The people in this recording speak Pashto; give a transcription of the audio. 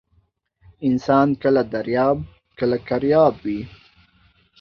انسان کله درياب ، کله کرياب وى.